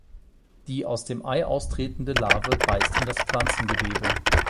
Die aus dem Ei austretende Larve beißt in das Pflanzengewebe.